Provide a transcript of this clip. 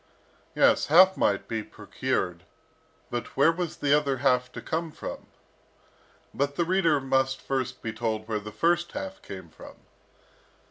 Yes, half might be procured, but where was the other half to come from? But the reader must first be told where the first half came from.